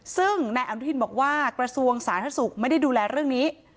ซึ่งนายอนุทินบอกว่ากระทรวงสาธารณสุขไม่ได้ดูแลเรื่องนี้